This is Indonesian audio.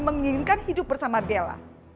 menginginkan hidup bersama bella